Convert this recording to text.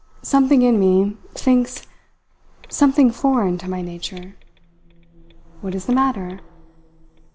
Something in me thinks something foreign to my nature. What is the matter?"